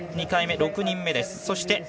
２回目６人目です。